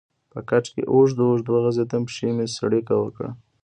په کټ کې اوږد اوږد وغځېدم، پښې مې څړیکه وکړې.